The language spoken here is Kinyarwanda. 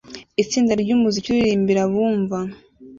Itsinda ryumuziki uririmbira abumva